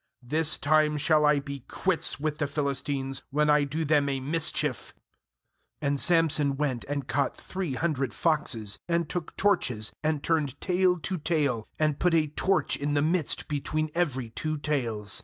'This time shall I be quits with the Philistines, when I do them a mis chief.' 4And Samson went and caught three hundred foxes, and took torches, and turned tail to tail, and put a torch in the midst between every two tails.